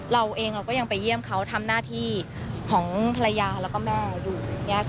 เราเองเราก็ยังไปเยี่ยมเขาทำหน้าที่ของภรรยาแล้วก็แม่อยู่อย่างนี้ค่ะ